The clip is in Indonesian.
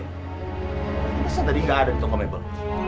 tadi nggak ada di toko mebel